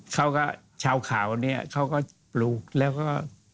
เขาก็ชาวเขาเนี่ยเขาก็ปลูกแล้วก็